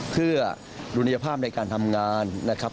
เพื่อดุลยภาพในการทำงานนะครับ